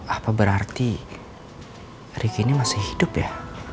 apa berarti riki ini masih hidup ya